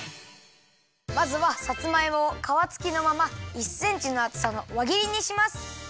まずはさつまいもをかわつきのまま１センチのあつさのわぎりにします。